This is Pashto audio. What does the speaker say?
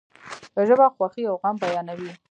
ژبه خوښی او غم بیانوي.